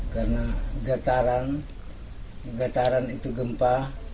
karena dataran dataran itu gempa